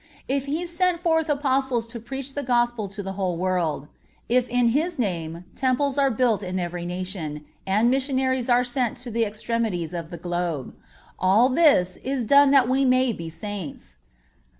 If He sent forth Apostles to preach the Gospel to the whole world; if in His name temples are built in every nation, and missionaries are sent to the extremities of the globe, all this is done that we may be Saints.